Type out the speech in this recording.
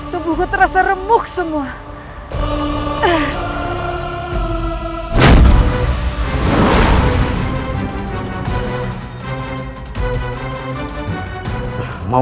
tubuhku terasa remuk semua